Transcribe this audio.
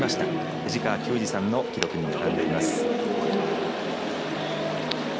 藤川球児さんの記録に並んでいます。